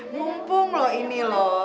mumpung loh ini loh